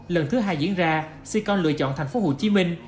lần thứ hai diễn ra sico lựa chọn thành phố hồ chí minh